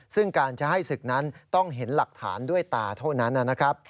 ซึ่งการจะให้ศึกนั้นต้องเห็นหลักฐานด้วยตาเท่านั้นนะครับ